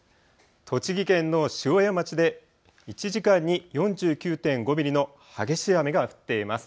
栃木県の塩谷町で１時間に４９．５ミリの激しい雨が降っています。